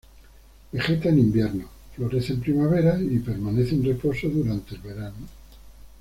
Vegeta en invierno, florece en primavera y permanece en reposo durante el verano.